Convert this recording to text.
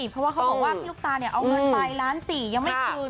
เพราะว่าเขาบอกว่าพี่ลูกตาเนี่ยเอาเงินไปล้านสี่ยังไม่คืน